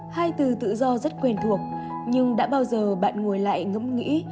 hai từ tự do rất quen thuộc nhưng đã bao giờ bạn ngồi lại ngẫm nghĩ